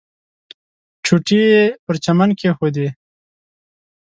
چوټې یې پر چمن کېښودې.